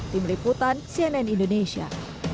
tim liputan cnn indonesia